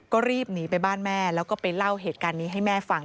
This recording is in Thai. ก็รีบหนีไปบ้านแม่แล้วก็ไปเล่าเหตุการณ์นี้ให้แม่ฟัง